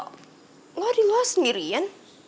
kal kok lo di luar sendirian